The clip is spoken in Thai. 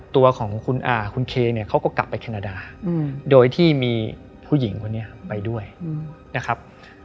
ตัวของคุณเคเนี่ยเขาก็กลับไปแคนาดาโดยที่มีผู้หญิงคนนี้ไปด้วยนะครับ